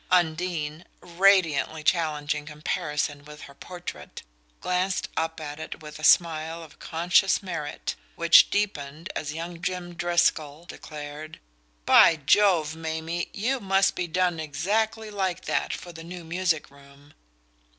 Undine, radiantly challenging comparison with her portrait, glanced up at it with a smile of conscious merit, which deepened as young Jim Driscoll declared: "By Jove, Mamie, you must be done exactly like that for the new music room."